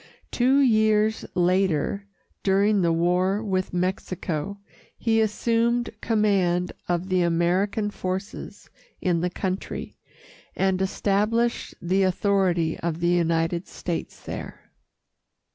Two years later, during the war with Mexico, he assumed command of the American forces in the country, and established the authority of the United States there.